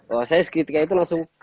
wah saya ketika itu langsung